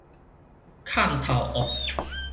嵌頭屋